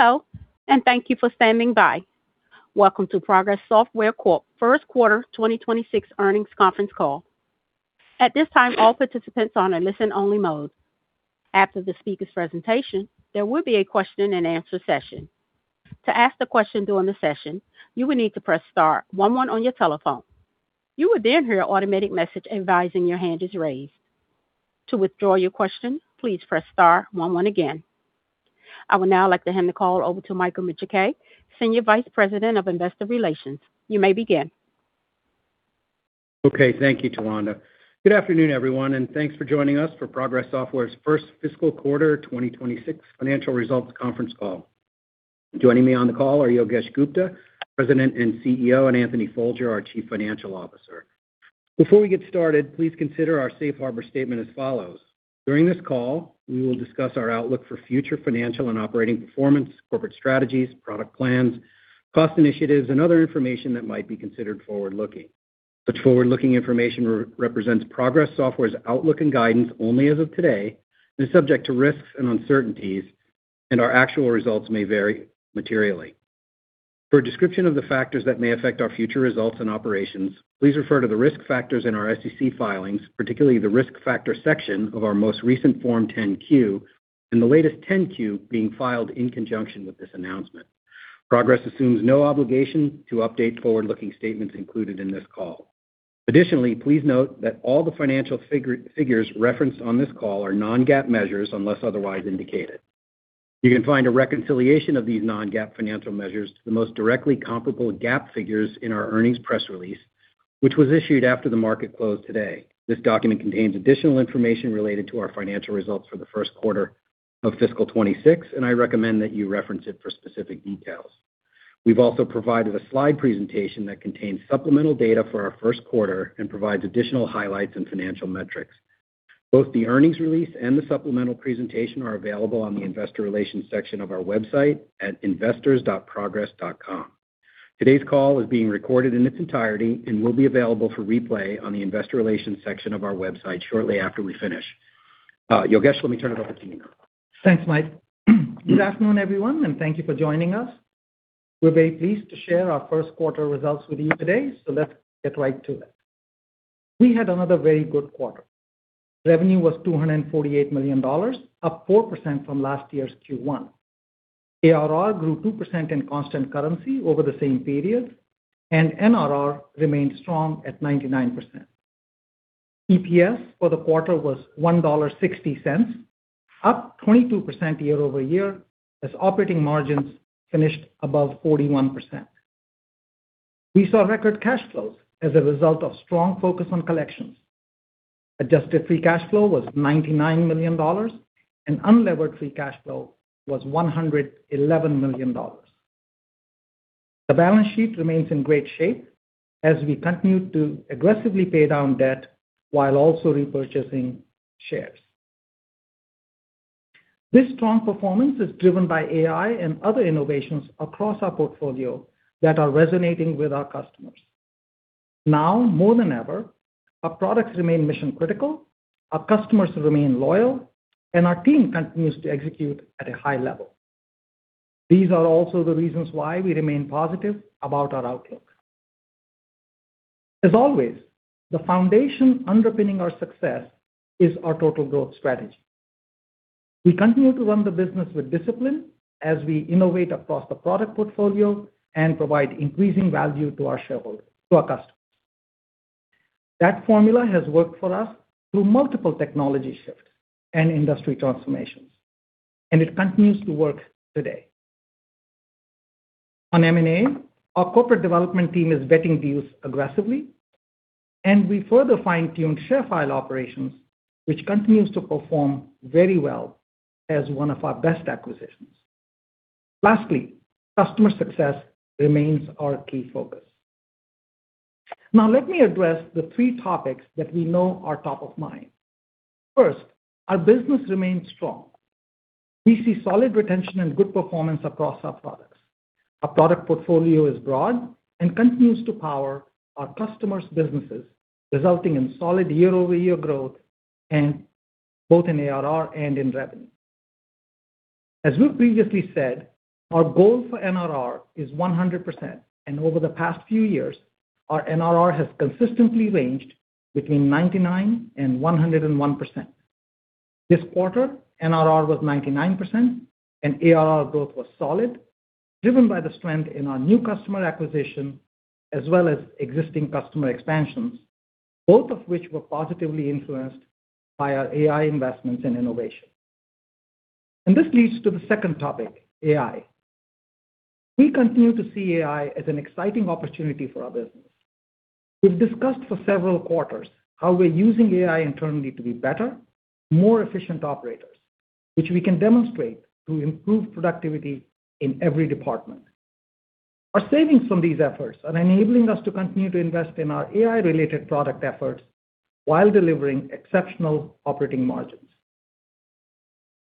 Hello, and thank you for standing by. Welcome to Progress Software Corp. First Quarter 2026 Earnings Conference Call. At this time, all participants are on a listen-only mode. After the speaker's presentation, there will be a question-and-answer session. To ask the question during the session, you will need to press star one one on your telephone. You will then hear an automated message advising your hand is raised. To withdraw your question, please press star one one again. I would now like to hand the call over to Michael Micciche, Senior Vice President of Investor Relations. You may begin. Okay, thank you, Joanna. Good afternoon, everyone, and thanks for joining us for Progress Software's first fiscal quarter 2026 financial results conference call. Joining me on the call are Yogesh Gupta, President and CEO, and Anthony Folger, our Chief Financial Officer. Before we get started, please consider our safe harbor statement as follows. During this call, we will discuss our outlook for future financial and operating performance, corporate strategies, product plans, cost initiatives, and other information that might be considered forward-looking. Such forward-looking information represents Progress Software's outlook and guidance only as of today and is subject to risks and uncertainties, and our actual results may vary materially. For a description of the factors that may affect our future results and operations, please refer to the risk factors in our SEC filings, particularly the risk factor section of our most recent Form 10-Q and the latest 10-Q being filed in conjunction with this announcement. Progress assumes no obligation to update forward-looking statements included in this call. Additionally, please note that all the financial figures referenced on this call are non-GAAP measures unless otherwise indicated. You can find a reconciliation of these non-GAAP financial measures to the most directly comparable GAAP figures in our earnings press release, which was issued after the market closed today. This document contains additional information related to our financial results for the first quarter of fiscal 2026, and I recommend that you reference it for specific details. We've also provided a slide presentation that contains supplemental data for our first quarter and provides additional highlights and financial metrics. Both the earnings release and the supplemental presentation are available on the Investor Relations section of our website at investors.progress.com. Today's call is being recorded in its entirety and will be available for replay on the Investor Relations section of our website shortly after we finish. Yogesh, let me turn it over to you. Thanks, Mike. Good afternoon, everyone, and thank you for joining us. We're very pleased to share our first quarter results with you today. Let's get right to it. We had another very good quarter. Revenue was $248 million, up 4% from last year's Q1. ARR grew 2% in constant currency over the same period, and NRR remained strong at 99%. EPS for the quarter was $1.60, up 22% YoY as operating margins finished above 41%. We saw record cash flows as a result of strong focus on collections. Adjusted free cash flow was $99 million, and unlevered free cash flow was $111 million. The balance sheet remains in great shape as we continue to aggressively pay down debt while also repurchasing shares. This strong performance is driven by AI and other innovations across our portfolio that are resonating with our customers. Now more than ever, our products remain mission-critical, our customers remain loyal, and our team continues to execute at a high level. These are also the reasons why we remain positive about our outlook. As always, the foundation underpinning our success is our Total Growth Strategy. We continue to run the business with discipline as we innovate across the product portfolio and provide increasing value to our customers. That formula has worked for us through multiple technology shifts and industry transformations, and it continues to work today. On M&A, our corporate development team is vetting deals aggressively, and we further fine-tuned ShareFile operations, which continues to perform very well as one of our best acquisitions. Lastly, customer success remains our key focus. Now let me address the three topics that we know are top of mind. First, our business remains strong. We see solid retention and good performance across our products. Our product portfolio is broad and continues to power our customers' businesses, resulting in solid YoY growth in both ARR and revenue. As we previously said, our goal for NRR is 100%. Over the past few years, our NRR has consistently ranged between 99% and 101%. This quarter, NRR was 99% and ARR growth was solid, driven by the strength in our new customer acquisition as well as existing customer expansions, both of which were positively influenced by our AI investments and innovation. This leads to the second topic, AI. We continue to see AI as an exciting opportunity for our business. We've discussed for several quarters how we're using AI internally to be better, more efficient operators, which we can demonstrate to improve productivity in every department. Our savings from these efforts are enabling us to continue to invest in our AI-related product efforts while delivering exceptional operating margins.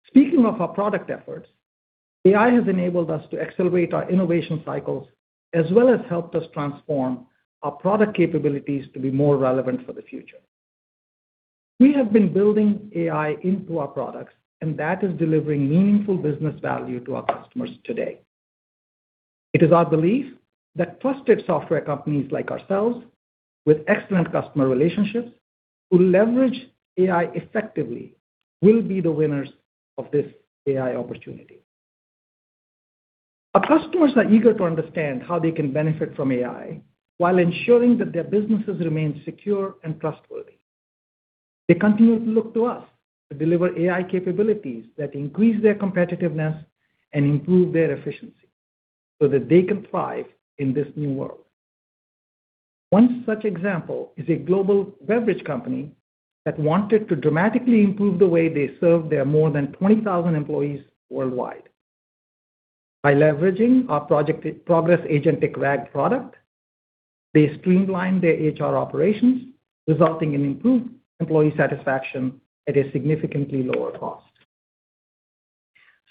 Speaking of our product efforts, AI has enabled us to accelerate our innovation cycles as well as helped us transform our product capabilities to be more relevant for the future. We have been building AI into our products, and that is delivering meaningful business value to our customers today. It is our belief that trusted software companies like ourselves with excellent customer relationships who leverage AI effectively will be the winners of this AI opportunity. Our customers are eager to understand how they can benefit from AI while ensuring that their businesses remain secure and trustworthy. They continue to look to us to deliver AI capabilities that increase their competitiveness and improve their efficiency so that they can thrive in this new world. One such example is a global beverage company that wanted to dramatically improve the way they serve their more than 20,000 employees worldwide. By leveraging our Progress Agentic RAG product, they streamlined their HR operations, resulting in improved employee satisfaction at a significantly lower cost.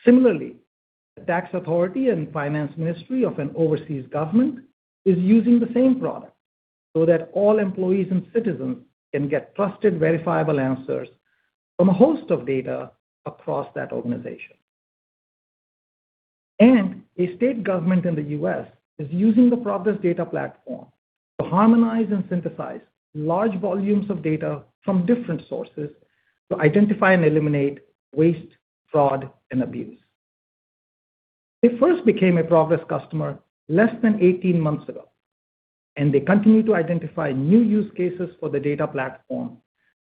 Similarly, the tax authority and finance ministry of an overseas government is using the same product so that all employees and citizens can get trusted, verifiable answers from a host of data across that organization. A state government in the U.S. is using the Progress Data Platform to harmonize and synthesize large volumes of data from different sources to identify and eliminate waste, fraud, and abuse. They first became a Progress customer less than 18 months ago, and they continue to identify new use cases for the Data Platform,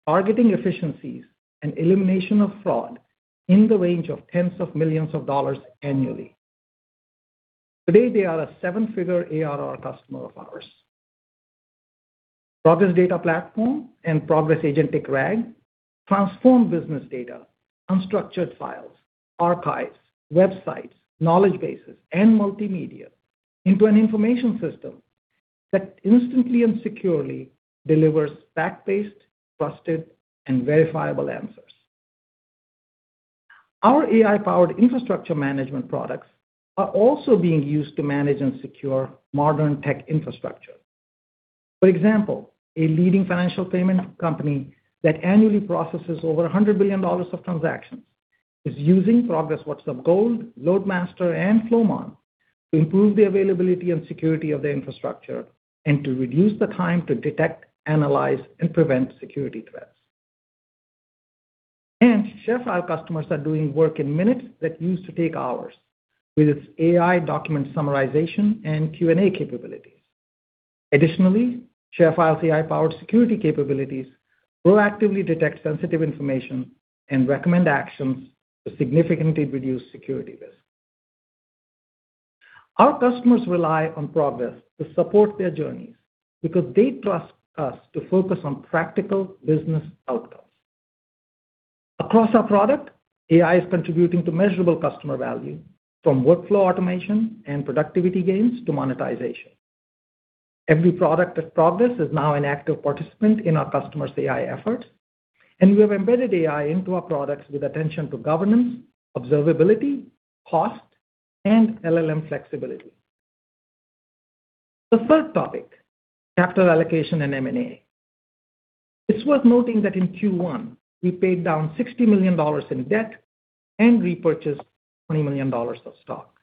targeting efficiencies and elimination of fraud in the range of tens of millions of dollars annually. Today, they are a seven-figure ARR customer of ours. Progress Data Platform and Progress Agentic RAG transform business data, unstructured files, archives, websites, knowledge bases, and multimedia into an information system that instantly and securely delivers fact-based, trusted, and verifiable answers. Our AI-powered infrastructure management products are also being used to manage and secure modern tech infrastructure. For example, a leading financial payment company that annually processes over $100 billion of transactions is using Progress WhatsUp Gold, LoadMaster, and Flowmon to improve the availability and security of their infrastructure and to reduce the time to detect, analyze, and prevent security threats. ShareFile customers are doing work in minutes that used to take hours with its AI document summarization and Q&A capabilities. Additionally, ShareFile's AI-powered security capabilities proactively detect sensitive information and recommend actions to significantly reduce security risks. Our customers rely on Progress to support their journeys because they trust us to focus on practical business outcomes. Across our product, AI is contributing to measurable customer value from workflow automation and productivity gains to monetization. Every product at Progress is now an active participant in our customers' AI efforts, and we have embedded AI into our products with attention to governance, observability, cost, and LLM flexibility. The third topic, capital allocation and M&A. It's worth noting that in Q1, we paid down $60 million in debt and repurchased $20 million of stock.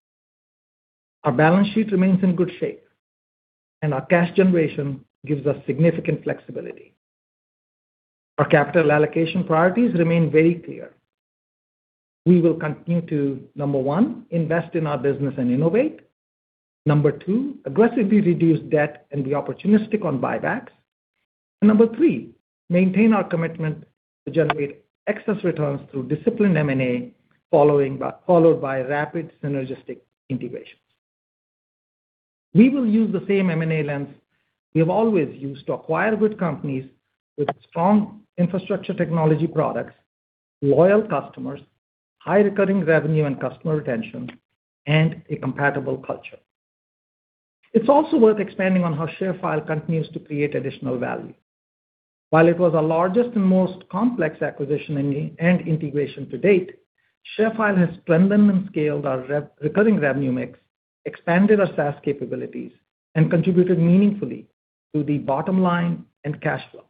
Our balance sheet remains in good shape, and our cash generation gives us significant flexibility. Our capital allocation priorities remain very clear. We will continue to, number one, invest in our business and innovate. Number two, aggressively reduce debt and be opportunistic on buybacks. Number three, maintain our commitment to generate excess returns through disciplined M&A followed by rapid synergistic integrations. We will use the same M&A lens we have always used to acquire good companies with strong infrastructure technology products, loyal customers, high recurring revenue and customer retention, and a compatible culture. It's also worth expanding on how ShareFile continues to create additional value. While it was our largest and most complex acquisition and integration to date, ShareFile has strengthened and scaled our recurring revenue mix, expanded our SaaS capabilities, and contributed meaningfully to the bottom line and cash flow.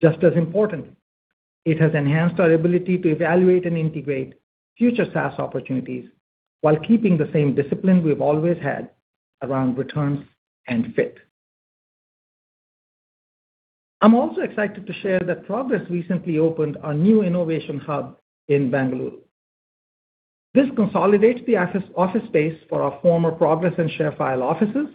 Just as importantly, it has enhanced our ability to evaluate and integrate future SaaS opportunities while keeping the same discipline we've always had around returns and fit. I'm also excited to share that Progress recently opened our new innovation hub in Bangalore. This consolidates office space for our former Progress and ShareFile offices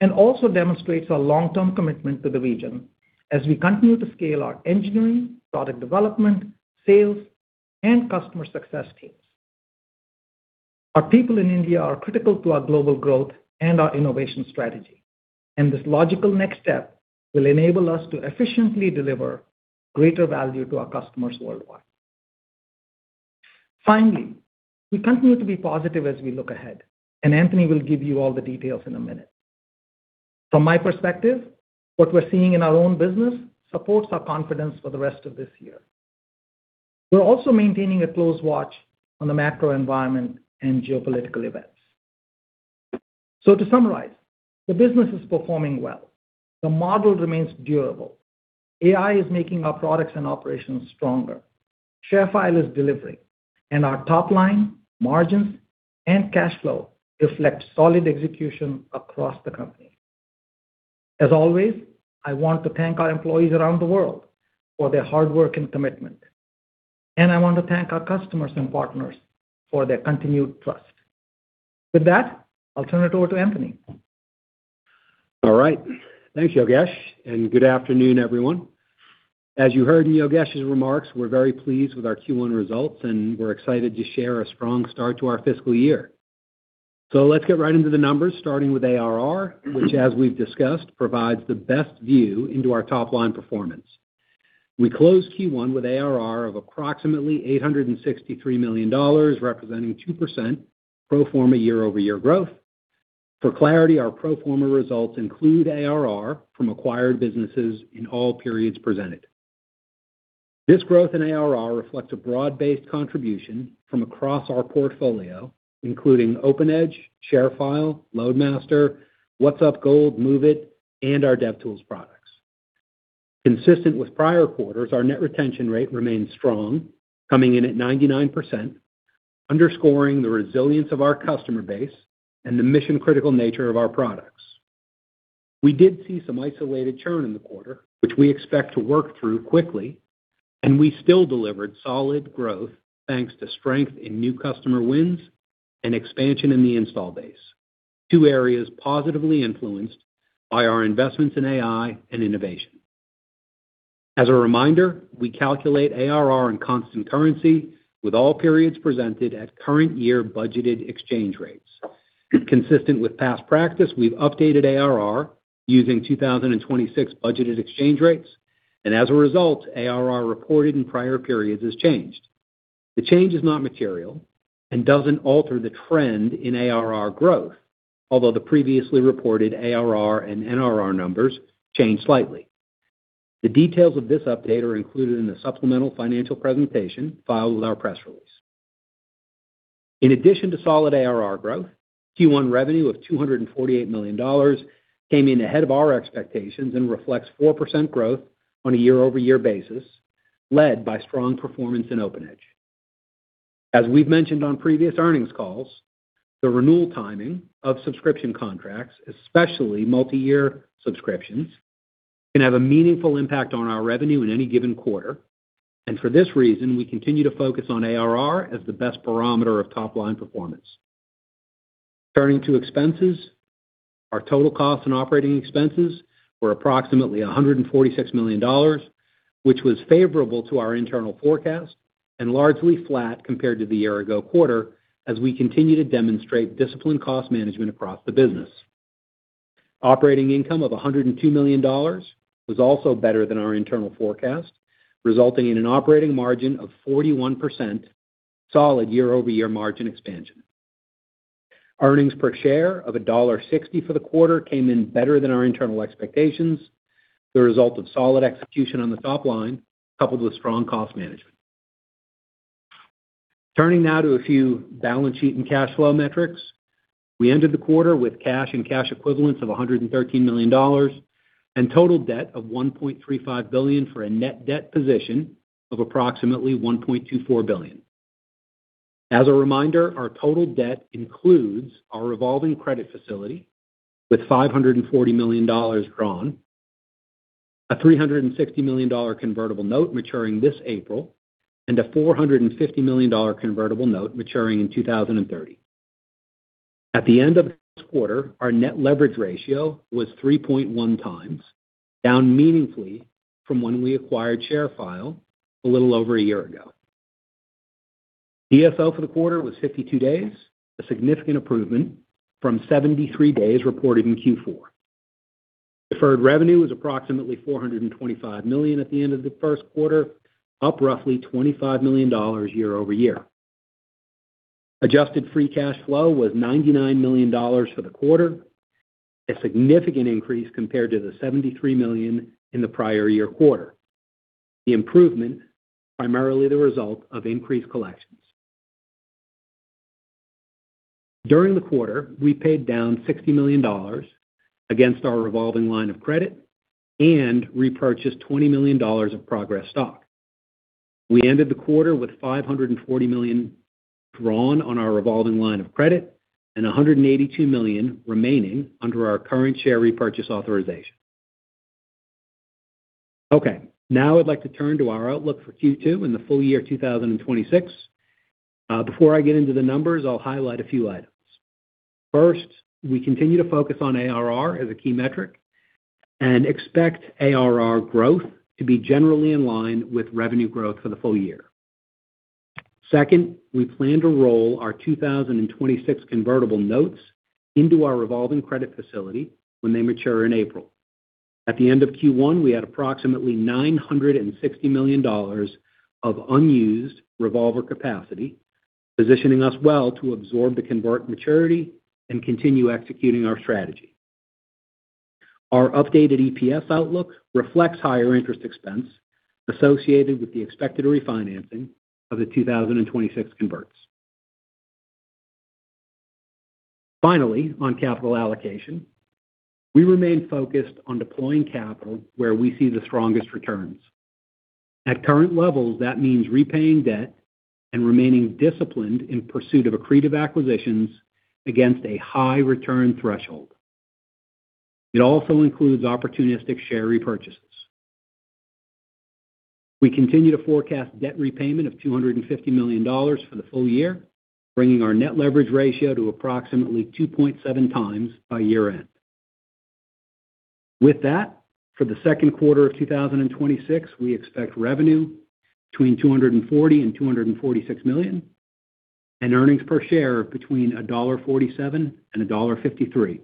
and also demonstrates our long-term commitment to the region as we continue to scale our engineering, product development, sales, and customer success teams. Our people in India are critical to our global growth and our innovation strategy, and this logical next step will enable us to efficiently deliver greater value to our customers worldwide. Finally, we continue to be positive as we look ahead, and Anthony will give you all the details in a minute. From my perspective, what we're seeing in our own business supports our confidence for the rest of this year. We're also maintaining a close watch on the macro environment and geopolitical events. To summarize, the business is performing well, the model remains durable. AI is making our products and operations stronger. ShareFile is delivering, and our top line margins and cash flow reflect solid execution across the company. As always, I want to thank our employees around the world for their hard work and commitment. I want to thank our customers and partners for their continued trust. With that, I'll turn it over to Anthony. All right. Thanks, Yogesh, and good afternoon, everyone. As you heard in Yogesh's remarks, we're very pleased with our Q1 results, and we're excited to share a strong start to our fiscal year. Let's get right into the numbers, starting with ARR, which as we've discussed, provides the best view into our top line performance. We closed Q1 with ARR of approximately $863 million, representing 2% pro forma YoY growth. For clarity, our pro forma results include ARR from acquired businesses in all periods presented. This growth in ARR reflects a broad-based contribution from across our portfolio, including OpenEdge, ShareFile, LoadMaster, WhatsUp Gold, MOVEit, and our DevTools products. Consistent with prior quarters, our net retention rate remains strong, coming in at 99%, underscoring the resilience of our customer base and the mission-critical nature of our products. We did see some isolated churn in the quarter, which we expect to work through quickly, and we still delivered solid growth thanks to strength in new customer wins and expansion in the install base, two areas positively influenced by our investments in AI and innovation. As a reminder, we calculate ARR in constant currency with all periods presented at current year budgeted exchange rates. Consistent with past practice, we've updated ARR using 2026 budgeted exchange rates, and as a result, ARR reported in prior periods has changed. The change is not material and doesn't alter the trend in ARR growth, although the previously reported ARR and NRR numbers change slightly. The details of this update are included in the supplemental financial presentation filed with our press release. In addition to solid ARR growth, Q1 revenue of $248 million came in ahead of our expectations and reflects 4% growth on a YoY basis, led by strong performance in OpenEdge. As we've mentioned on previous earnings calls, the renewal timing of subscription contracts, especially multi-year subscriptions, can have a meaningful impact on our revenue in any given quarter. For this reason, we continue to focus on ARR as the best barometer of top line performance. Turning to expenses, our total cost and operating expenses were approximately $146 million, which was favorable to our internal forecast and largely flat compared to the year ago quarter as we continue to demonstrate disciplined cost management across the business. Operating income of $102 million was also better than our internal forecast, resulting in an operating margin of 41%, solid YoY margin expansion. Earnings per share of $1.60 for the quarter came in better than our internal expectations, the result of solid execution on the top line, coupled with strong cost management. Turning now to a few balance sheet and cash flow metrics. We ended the quarter with cash and cash equivalents of $113 million and total debt of $1.35 billion for a net debt position of approximately $1.24 billion. As a reminder, our total debt includes our revolving credit facility with $540 million drawn, a $360 million convertible note maturing this April and a $450 million convertible note maturing in 2030. At the end of this quarter, our net leverage ratio was 3.1x, down meaningfully from when we acquired ShareFile a little over a year ago. DSO for the quarter was 52 days, a significant improvement from 73 days reported in Q4. Deferred revenue was approximately $425 million at the end of the first quarter, up roughly $25 million YoY. Adjusted free cash flow was $99 million for the quarter, a significant increase compared to the $73 million in the prior year quarter. The improvement, primarily the result of increased collections. During the quarter, we paid down $60 million against our revolving line of credit and repurchased $20 million of Progress stock. We ended the quarter with $540 million drawn on our revolving line of credit and $182 million remaining under our current share repurchase authorization. Okay, now I'd like to turn to our outlook for Q2 and the full year 2026. Before I get into the numbers, I'll highlight a few items. First, we continue to focus on ARR as a key metric and expect ARR growth to be generally in line with revenue growth for the full year. Second, we plan to roll our 2026 convertible notes into our revolving credit facility when they mature in April. At the end of Q1, we had approximately $960 million of unused revolver capacity, positioning us well to absorb the convert maturity and continue executing our strategy. Our updated EPS outlook reflects higher interest expense associated with the expected refinancing of the 2026 converts. Finally, on capital allocation, we remain focused on deploying capital where we see the strongest returns. At current levels, that means repaying debt and remaining disciplined in pursuit of accretive acquisitions against a high return threshold. It also includes opportunistic share repurchases. We continue to forecast debt repayment of $250 million for the full year, bringing our net leverage ratio to approximately 2.7x by year-end. With that, for the second quarter of 2026, we expect revenue between $240 million and $246 million and earnings per share between $1.47 and $1.53.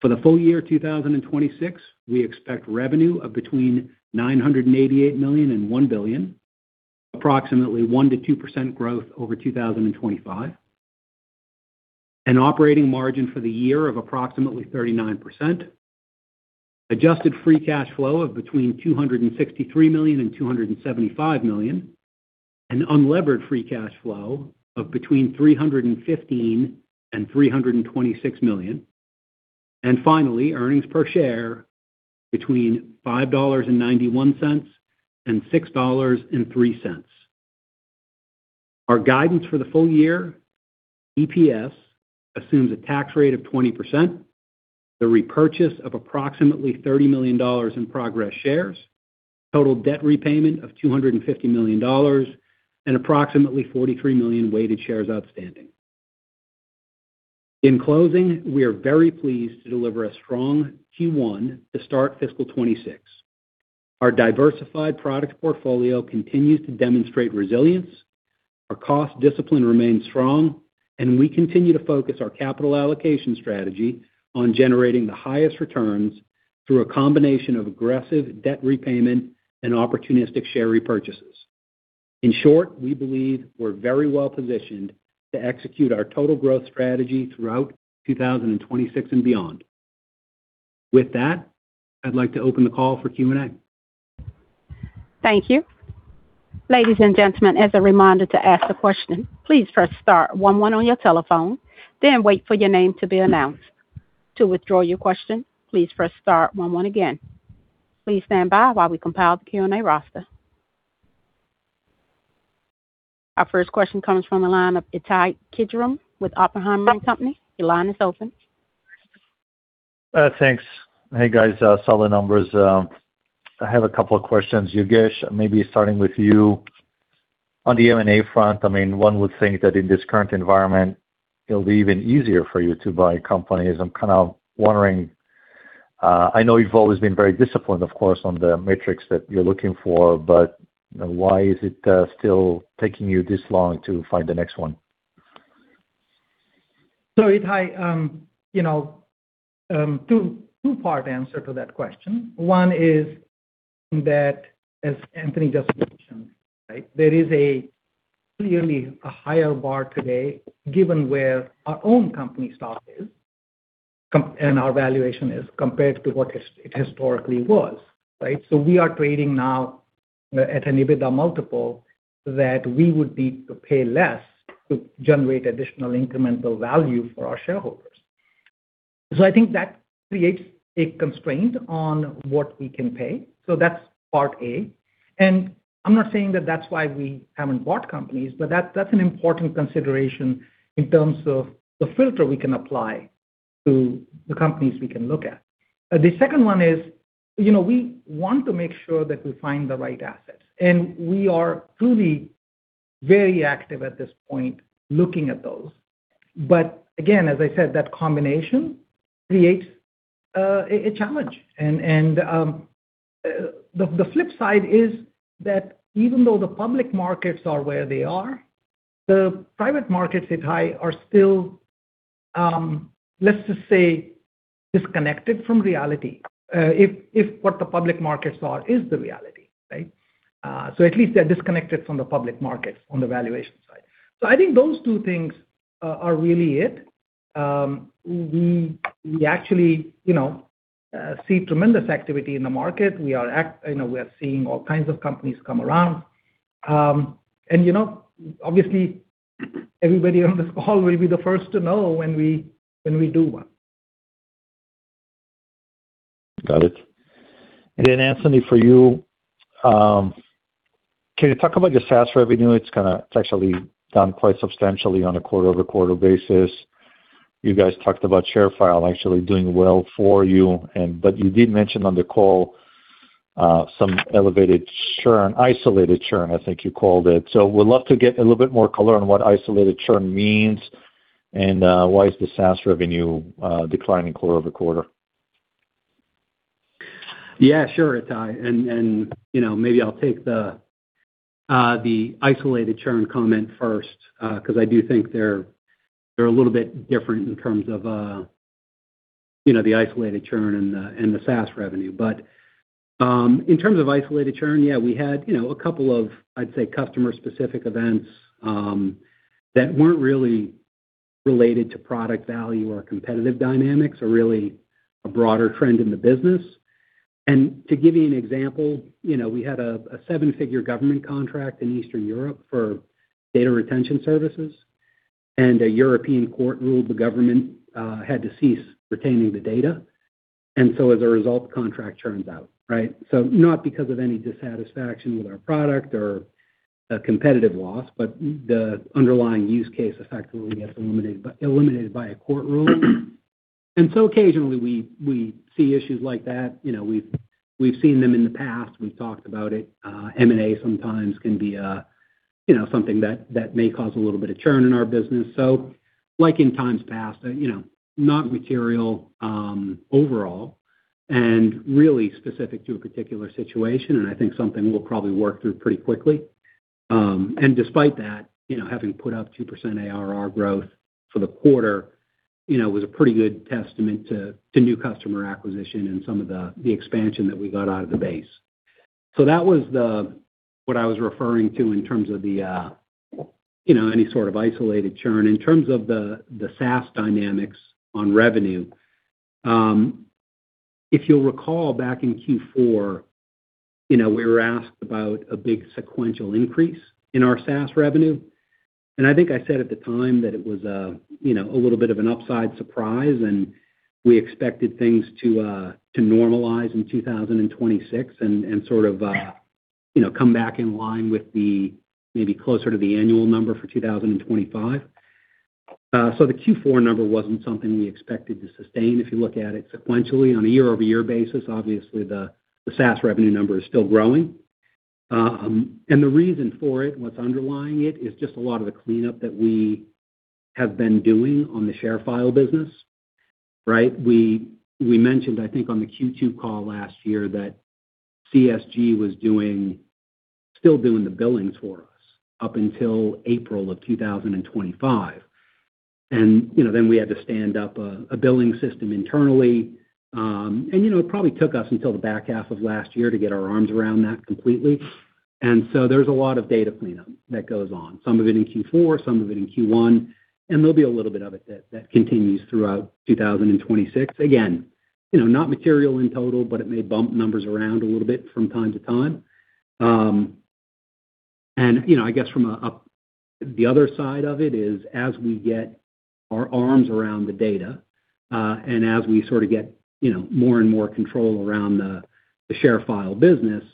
For the full year 2026, we expect revenue of between $988 million and $1 billion, approximately 1%-2% growth over 2025. Operating margin for the year of approximately 39%. Adjusted free cash flow of between $263 million and $275 million. Unlevered free cash flow of between $315 million and $326 million. Finally, earnings per share between $5.91 and $6.03. Our guidance for the full year EPS assumes a tax rate of 20%, the repurchase of approximately $30 million in Progress shares, total debt repayment of $250 million, and approximately 43 million weighted shares outstanding. In closing, we are very pleased to deliver a strong Q1 to start fiscal 2026. Our diversified product portfolio continues to demonstrate resilience. Our cost discipline remains strong, and we continue to focus our capital allocation strategy on generating the highest returns through a combination of aggressive debt repayment and opportunistic share repurchases. In short, we believe we're very well positioned to execute our Total Growth Strategy throughout 2026 and beyond. With that, I'd like to open the call for Q&A. Thank you. Ladies and gentlemen, as a reminder to ask a question, please press star one one on your telephone, then wait for your name to be announced. To withdraw your question, please press star one one again. Please stand by while we compile the Q&A roster. Our first question comes from the line of Ittai Kidron with Oppenheimer & Co. Your line is open. Thanks. Hey, guys, solid numbers. I have a couple of questions. Yogesh, maybe starting with you. On the M&A front, I mean, one would think that in this current environment, it'll be even easier for you to buy companies. I'm kind of wondering, I know you've always been very disciplined, of course, on the metrics that you're looking for, but why is it still taking you this long to find the next one? Ittai, you know, two-part answer to that question. One is that as Anthony just mentioned, right? There is clearly a higher bar today given where our own company stock is and our valuation is compared to what it historically was, right? We are trading now at an EBITDA multiple that we would need to pay less to generate additional incremental value for our shareholders. I think that creates a constraint on what we can pay. That's part A. I'm not saying that that's why we haven't bought companies, but that's an important consideration in terms of the filter we can apply to the companies we can look at. The second one is, you know, we want to make sure that we find the right assets, and we are truly very active at this point looking at those. Again, as I said, that combination creates a challenge. The flip side is that even though the public markets are where they are, the private markets, Ittai, are still, let's just say, disconnected from reality, if what the public markets are is the reality, right? At least they're disconnected from the public markets on the valuation side. I think those two things are really it. We actually, you know, see tremendous activity in the market. You know, we are seeing all kinds of companies come around. You know, obviously everybody on this call will be the first to know when we do one. Got it. Anthony, for you, can you talk about your SaaS revenue? It's actually down quite substantially on a QoQ basis. You guys talked about ShareFile actually doing well for you but you did mention on the call some elevated churn, isolated churn, I think you called it. Would love to get a little bit more color on what isolated churn means, and why is the SaaS revenue declining QoQ? Yeah, sure, Ittai. You know, maybe I'll take the isolated churn comment first, 'cause I do think they're a little bit different in terms of you know, the isolated churn and the SaaS revenue. In terms of isolated churn, yeah, we had you know, a couple of, I'd say customer specific events that weren't really related to product value or competitive dynamics or really a broader trend in the business. To give you an example, you know, we had a seven-figure government contract in Eastern Europe for data retention services, and a European court ruled the government had to cease retaining the data. As a result, the contract churns out, right? Not because of any dissatisfaction with our product or a competitive loss, but the underlying use case effectively gets eliminated by a court rule. Occasionally we see issues like that. You know, we've seen them in the past. We've talked about it. M&A sometimes can be, you know, something that may cause a little bit of churn in our business. Like in times past, you know, not material overall and really specific to a particular situation and I think something we'll probably work through pretty quickly. Despite that, you know, having put up 2% ARR growth for the quarter, you know, was a pretty good testament to new customer acquisition and some of the expansion that we got out of the base. That was the What I was referring to in terms of the, you know, any sort of isolated churn. In terms of the SaaS dynamics on revenue, if you'll recall back in Q4, you know, we were asked about a big sequential increase in our SaaS revenue. I think I said at the time that it was, you know, a little bit of an upside surprise and we expected things to normalize in 2026 and sort of, you know, come back in line with the maybe closer to the annual number for 2025. So the Q4 number wasn't something we expected to sustain if you look at it sequentially on a YoY basis. Obviously, the SaaS revenue number is still growing. The reason for it, what's underlying it, is just a lot of the cleanup that we have been doing on the ShareFile business, right? We mentioned, I think on the Q2 call last year that CSG was doing, still doing the billings for us up until April 2025. You know, then we had to stand up a billing system internally. You know, it probably took us until the back half of last year to get our arms around that completely. There's a lot of data cleanup that goes on, some of it in Q4, some of it in Q1, and there'll be a little bit of it that continues throughout 2026. Again, you know, not material in total, but it may bump numbers around a little bit from time to time. The other side of it is as we get our arms around the data, and as we sort of get, you know, more and more control around the ShareFile business,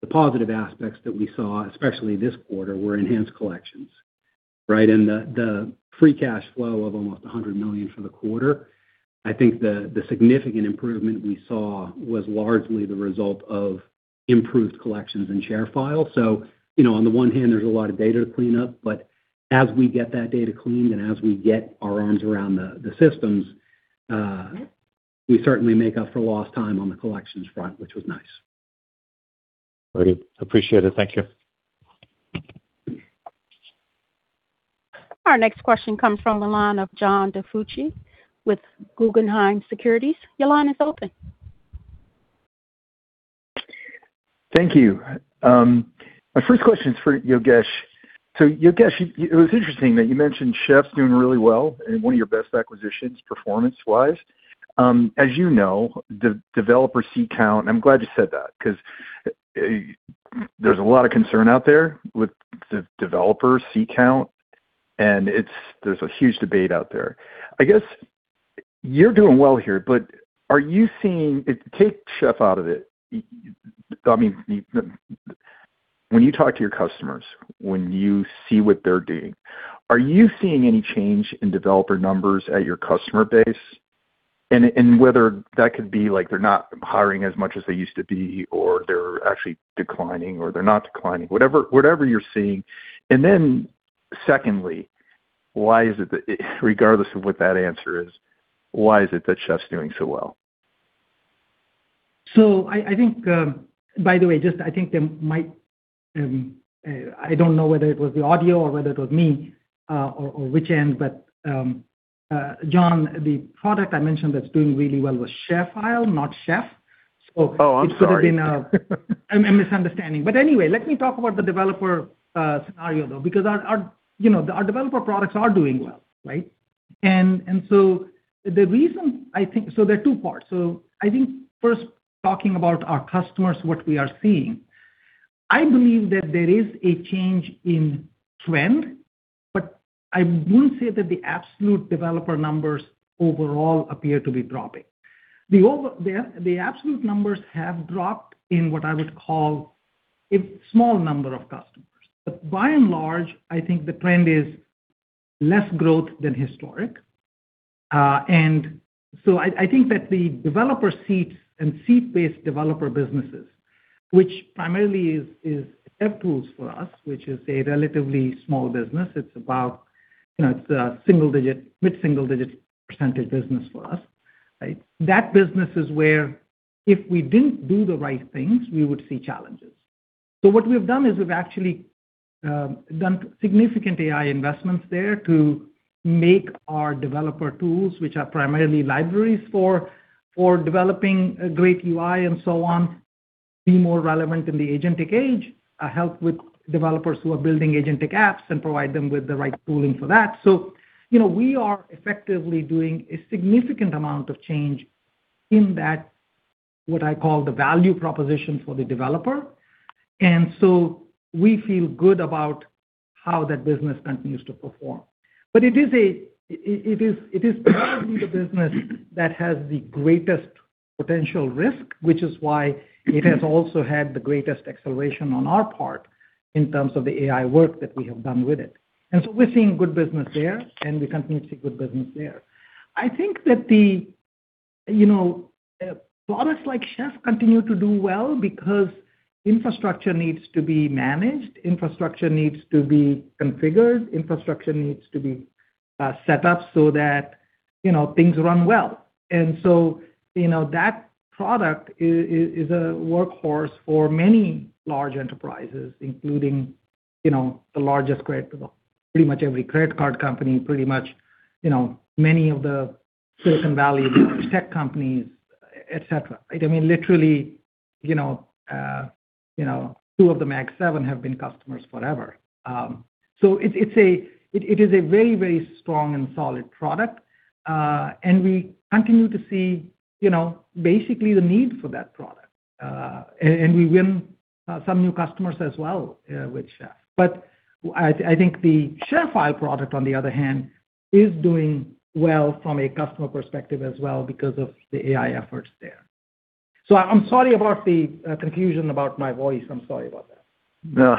the positive aspects that we saw, especially this quarter, were enhanced collections, right? The free cash flow of almost $100 million for the quarter, I think the significant improvement we saw was largely the result of improved collections in ShareFile. You know, on the one hand there's a lot of data to clean up, but as we get that data cleaned and as we get our arms around the systems, we certainly make up for lost time on the collections front, which was nice. Greatly appreciate it. Thank you. Our next question comes from the line of John DiFucci with Guggenheim Securities. Your line is open. Thank you. My first question is for Yogesh. Yogesh, it was interesting that you mentioned Chef's doing really well and one of your best acquisitions performance-wise. As you know, the developer seat count. I'm glad you said that, 'cause there's a lot of concern out there with the developer seat count, and there's a huge debate out there. I guess you're doing well here. Take Chef out of it. I mean, when you talk to your customers, when you see what they're doing, are you seeing any change in developer numbers at your customer base? And whether that could be like they're not hiring as much as they used to be, or they're actually declining or they're not declining, whatever you're seeing. Secondly, why is it that Regardless of what that answer is, why is it that Chef's doing so well? By the way, I think there might, I don't know whether it was the audio or whether it was me or which end, but John, the product I mentioned that's doing really well was ShareFile, not Chef. Oh, I'm sorry. It could have been a misunderstanding. Anyway, let me talk about the developer scenario though, because you know, our developer products are doing well, right? The reason I think there are two parts. I think first talking about our customers, what we are seeing. I believe that there is a change in trend, but I wouldn't say that the absolute developer numbers overall appear to be dropping. The absolute numbers have dropped in what I would call a small number of customers. By and large, I think the trend is less growth than historic. I think that the developer seats and seat-based developer businesses, which primarily is DevTools for us, which is a relatively small business. It's about, you know, it's a single-digit, mid-single-digit percentage business for us, right? That business is where if we didn't do the right things, we would see challenges. What we've done is we've actually done significant AI investments there to make our developer tools, which are primarily libraries for developing a great UI and so on, be more relevant in the agentic age, help with developers who are building agentic apps and provide them with the right tooling for that. You know, we are effectively doing a significant amount of change in that, what I call the value proposition for the developer. We feel good about how that business continues to perform. It is probably the business that has the greatest potential risk, which is why it has also had the greatest acceleration on our part in terms of the AI work that we have done with it. We're seeing good business there, and we continue to see good business there. I think that the, you know, products like Chef continue to do well because infrastructure needs to be managed, infrastructure needs to be configured, infrastructure needs to be set up so that, you know, things run well. You know, that product is a workhorse for many large enterprises, including, you know, the largest credit card company, pretty much every credit card company, pretty much, you know, many of the Silicon Valley tech companies, et cetera. I mean, literally, you know, you know, two of the Mag Seven have been customers forever. It's a very, very strong and solid product. We continue to see, you know, basically the need for that product. We win some new customers as well with Chef. I think the ShareFile product, on the other hand, is doing well from a customer perspective as well because of the AI efforts there. I'm sorry about the confusion about my voice. I'm sorry about that. No.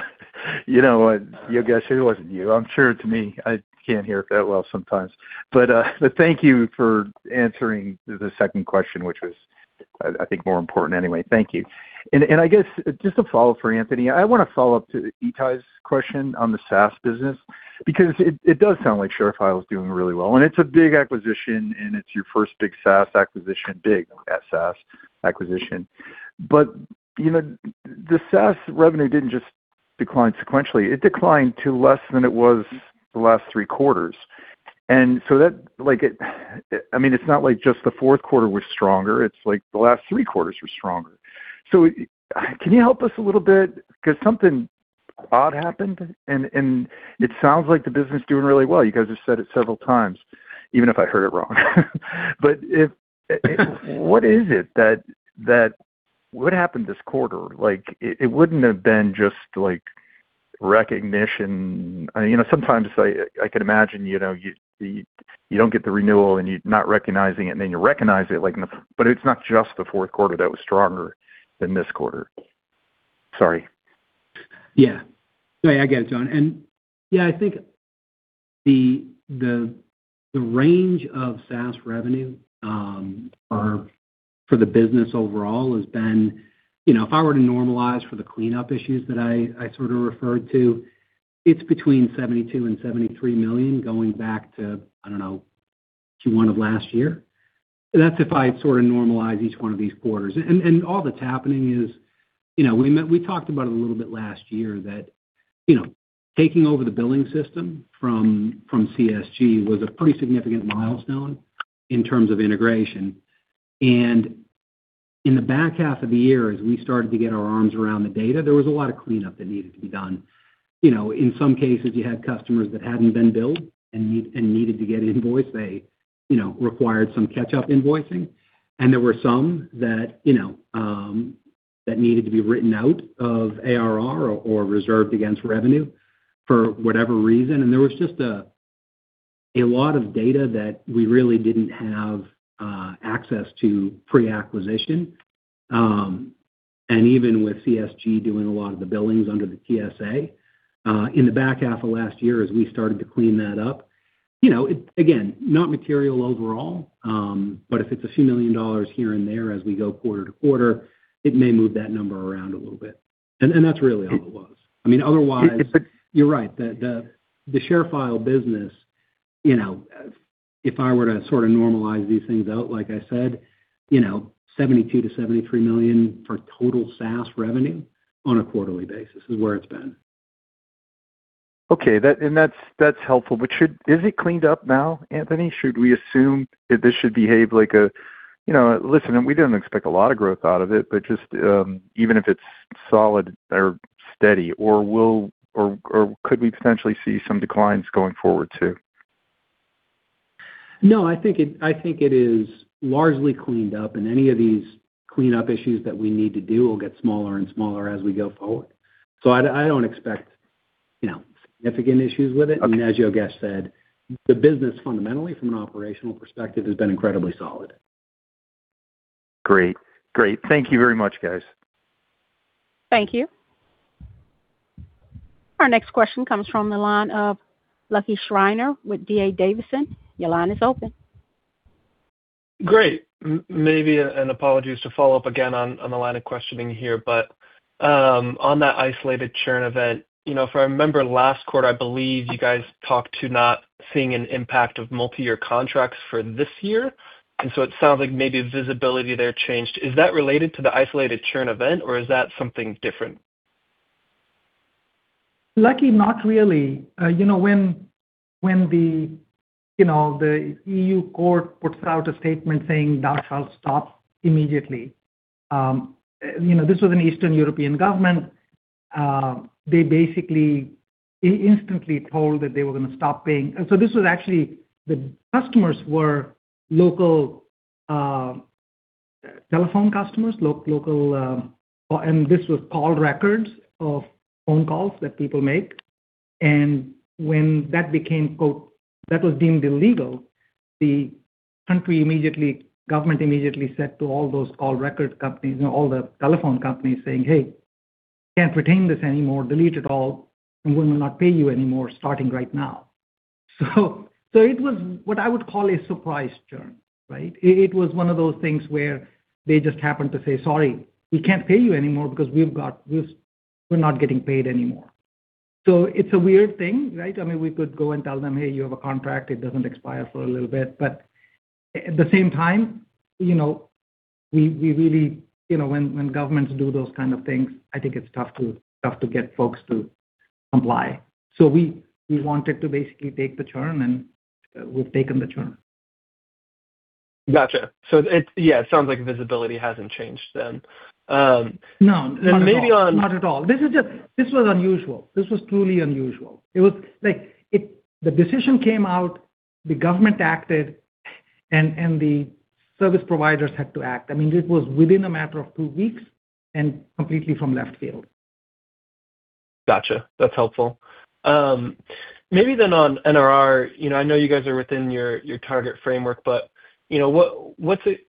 You know what, Yogesh, it wasn't you. I'm sure to me, I can't hear it that well sometimes. But thank you for answering the second question, which was, I think, more important anyway. Thank you. I guess just a follow-up for Anthony. I want to follow up to Ittai's question on the SaaS business because it does sound like ShareFile is doing really well, and it's a big acquisition, and it's your first big SaaS acquisition. You know, the SaaS revenue didn't just decline sequentially. It declined to less than it was the last three quarters. That, I mean, it's not like just the fourth quarter was stronger. It's like the last three quarters were stronger. Can you help us a little bit? 'Cause something odd happened, and it sounds like the business is doing really well. You guys have said it several times, even if I heard it wrong. What happened this quarter? Like, it wouldn't have been just, like, recognition. You know, sometimes I could imagine, you know, you don't get the renewal and you're not recognizing it, and then you recognize it, like, but it's not just the fourth quarter that was stronger than this quarter. Sorry. Yeah. No, I get it, John. Yeah, I think the range of SaaS revenue, or for the business overall has been, you know, if I were to normalize for the cleanup issues that I sort of referred to, it's between $72 million and $73 million going back to, I don't know, Q1 of last year. That's if I sort of normalize each one of these quarters. All that's happening is, you know, we talked about it a little bit last year that, you know, taking over the billing system from CSG was a pretty significant milestone in terms of integration. In the back half of the year, as we started to get our arms around the data, there was a lot of cleanup that needed to be done. You know, in some cases, you had customers that hadn't been billed and needed to get invoiced. They, you know, required some catch-up invoicing. There were some that, you know, that needed to be written out of ARR or reserved against revenue for whatever reason. There was just a lot of data that we really didn't have access to pre-acquisition. Even with CSG doing a lot of the billings under the TSA in the back half of last year, as we started to clean that up, you know, it again, not material overall, but if it's a few million dollars here and there as we go quarter to quarter, it may move that number around a little bit. That's really all it was. I mean, otherwise, you're right. The ShareFile business, you know, if I were to sort of normalize these things out, like I said, you know, $72 million-$73 million for total SaaS revenue on a quarterly basis is where it's been. Okay. That's helpful. Is it cleaned up now, Anthony? Should we assume that this should behave like a, you know, listen, and we don't expect a lot of growth out of it, but just even if it's solid or steady or could we potentially see some declines going forward too? No, I think it is largely cleaned up, and any of these cleanup issues that we need to do will get smaller and smaller as we go forward. I don't expect, you know, significant issues with it. Okay. As Yogesh said, the business fundamentally from an operational perspective has been incredibly solid. Great. Thank you very much, guys. Thank you. Our next question comes from the line of Lucky Schreiner with D.A. Davidson. Your line is open. Great. Maybe my apologies to follow up again on the line of questioning here, but on that isolated churn event, you know, if I remember last quarter, I believe you guys talked about not seeing an impact of multi-year contracts for this year. It sounds like maybe visibility there changed. Is that related to the isolated churn event, or is that something different? Lucky, not really. You know, when the you know, the EU court puts out a statement saying thou shalt stop immediately. You know, this was an Eastern European government. They basically instantly told that they were gonna stop paying. This was actually the customers were local telephone customers, and this was call records of phone calls that people make. When that became quote, that was deemed illegal, the government immediately said to all those call record companies and all the telephone companies saying, "Hey, can't retain this anymore. Delete it all. And we will not pay you anymore starting right now." It was what I would call a surprise churn, right? It was one of those things where they just happened to say, "Sorry, we can't pay you anymore because we're not getting paid anymore." It's a weird thing, right? I mean, we could go and tell them, "Hey, you have a contract. It doesn't expire for a little bit." At the same time, you know, we really, you know, when governments do those kind of things, I think it's tough to get folks to comply. We wanted to basically take the churn, and we've taken the churn. Gotcha. Yeah, it sounds like visibility hasn't changed then. No, not at all. Maybe on- Not at all. This was unusual. This was truly unusual. The decision came out, the government acted, and the service providers had to act. I mean, it was within a matter of two weeks and completely from left field. Gotcha. That's helpful. Maybe then on NRR. You know, I know you guys are within your target framework, but, you know, what's it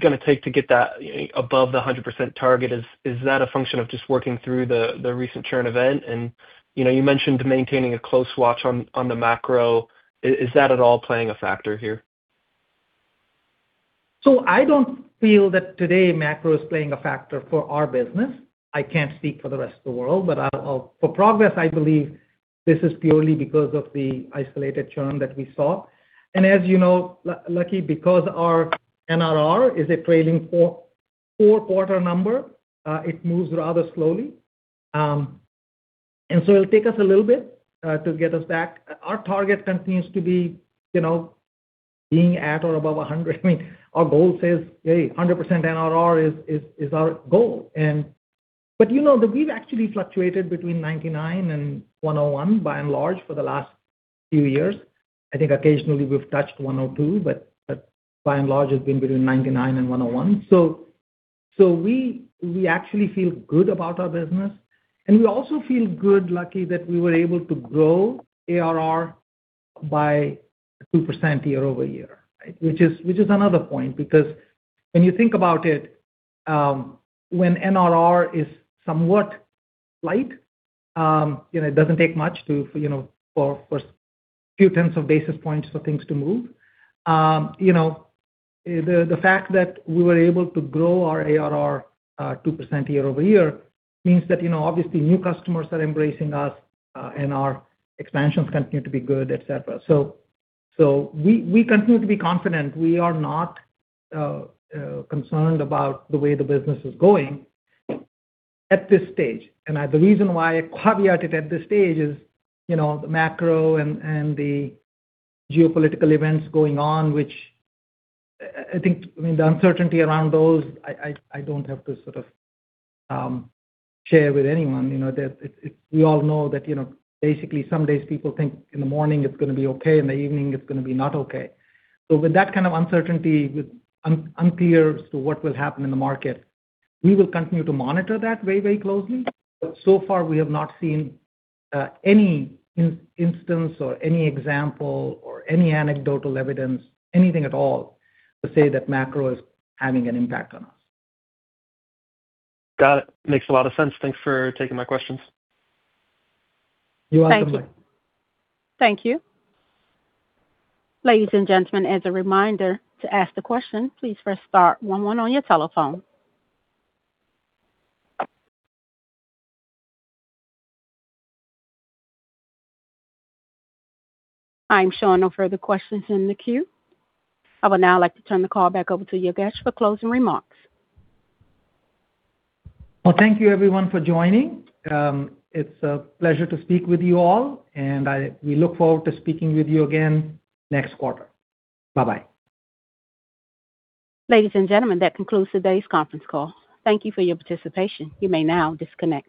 gonna take to get that above the 100% target? Is that a function of just working through the recent churn event? You know, you mentioned maintaining a close watch on the macro. Is that at all playing a factor here? I don't feel that today macro is playing a factor for our business. I can't speak for the rest of the world, but for Progress, I believe this is purely because of the isolated churn that we saw. As you know, Lucky, because our NRR is a trailing four-quarter number, it moves rather slowly. It'll take us a little bit to get us back. Our target continues to be, you know, being at or above 100%. I mean, our goal says, hey, 100% NRR is our goal. But you know that we've actually fluctuated between 99% and 101% by and large for the last few years. I think occasionally we've touched 102%, but by and large it's been between 99% and 101%. We actually feel good about our business. We also feel good, Lucky, that we were able to grow ARR by 2% YoY, right? Which is another point because when you think about it, when NRR is somewhat light, you know, it doesn't take much to, you know, for a few tens of basis points for things to move. You know, the fact that we were able to grow our ARR 2% YoY means that, you know, obviously new customers are embracing us, and our expansions continue to be good, et cetera. We continue to be confident. We are not concerned about the way the business is going at this stage. The reason why I caveat it at this stage is, you know, the macro and the geopolitical events going on, which I think, I mean, the uncertainty around those, I don't have to sort of share with anyone. You know, that it's. We all know that, you know, basically some days people think in the morning it's gonna be okay, in the evening it's gonna be not okay. With that kind of uncertainty, unclear as to what will happen in the market, we will continue to monitor that very closely. So far we have not seen any instance or any example or any anecdotal evidence, anything at all to say that macro is having an impact on us. Got it. Makes a lot of sense. Thanks for taking my questions. You're welcome. Thank you. Thank you. Ladies and gentlemen, as a reminder, to ask the question, please press star one one on your telephone. I'm showing no further questions in the queue. I would now like to turn the call back over to Yogesh for closing remarks. Well, thank you everyone for joining. It's a pleasure to speak with you all, and we look forward to speaking with you again next quarter. Bye-bye. Ladies and gentlemen, that concludes today's conference call. Thank you for your participation. You may now disconnect.